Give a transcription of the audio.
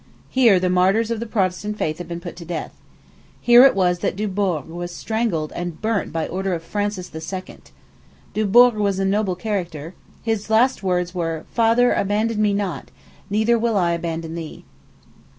Here the martyrs of the Protestant faith have been put to death. Here it was that Dubourg was strangled and burnt by order of Francis II. Dubourg was a noble character. His last words were, "Father, abandon me not; neither will I abandon thee."